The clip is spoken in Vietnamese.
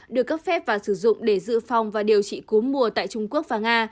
được cấp phép và sử dụng để dự phòng và điều trị cúm mùa tại trung quốc và nga